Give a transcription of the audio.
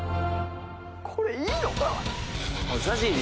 これいいのかな？